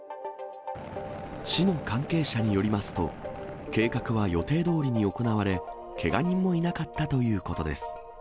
市の関係者によりますと、計画は予定どおりに行われ、けが人もいなかったということです。